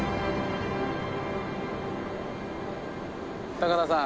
高田さん。